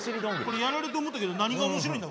これやられて思ったけど何が面白いんだ？